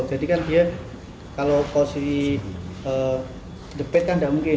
jadi kan dia kalau posisi jebit kan nggak mungkin